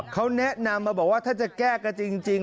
เขาแนะนำมาบอกว่าถ้าจะแก้กันจริง